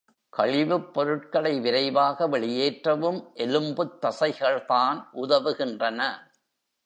கழிவுப் பொருட்களை விரைவாக வெளியேற்றவும் எலும்புத் தசைகள்தான் உதவுகின்றன.